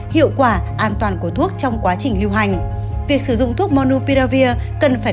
hiệu quả an toàn của thuốc trong quá trình lưu hành việc sử dụng thuốc monopiravir cần phải